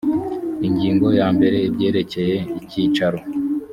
ingingo ya mbere ibyerekeye icyicaro